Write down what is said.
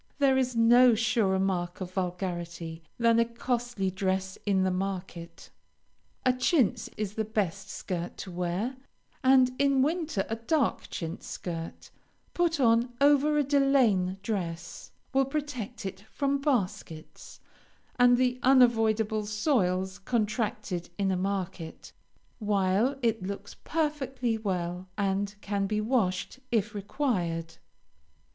There is no surer mark of vulgarity, than a costly dress in the market. A chintz is the best skirt to wear, and in winter a dark chintz skirt put on over a delaine dress, will protect it from baskets, and the unavoidable soils contracted in a market, while it looks perfectly well, and can be washed if required.